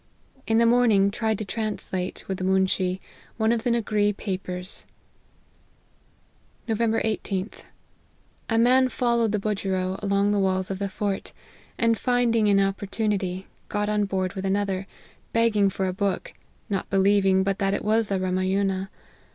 In the morning tried to translate, with the moonshee, one of the Nagree papers." " Nov. 18th. A man followed the budgerow along the walls of the fort; and finding an op portunity, got on board with another, begging for a book not believing but that it was the Rama yuna.